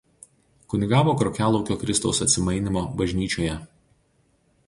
Kunigavo Krokialaukio Kristaus Atsimainymo bažnyčioje.